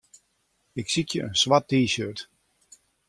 Ik sykje in swart T-shirt.